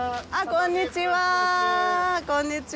こんにちは。